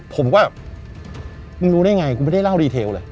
ผมก็มึงรู้ได้ไงกูไม่ได้เล่ารีเทลเลย